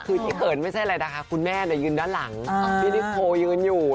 คือที่เขินไม่ใช่อะไรนะคะคุณแม่ยืนด้านหลังพี่นิโคยืนอยู่